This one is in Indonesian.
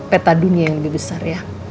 peta dunia yang lebih besar ya